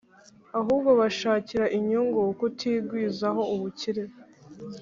ahubwo bashakira inyungu kutigwizaho ubukire